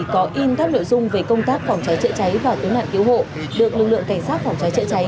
có in các nội dung về công tác phòng cháy chữa cháy và cứu nạn cứu hộ được lực lượng cảnh sát phòng cháy chữa cháy